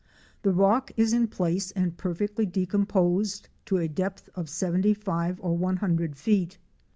The rock is in place and perfectly decomposed to a depth of seventy five or one hundred fect.